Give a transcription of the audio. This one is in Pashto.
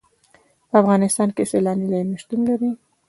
په افغانستان کې سیلانی ځایونه شتون لري.